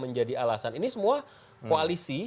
menjadi alasan ini semua koalisi